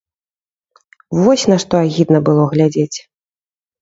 Вось на што агідна было глядзець.